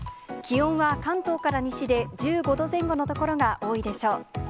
気温は関東から西で１５度前後の所が多いでしょう。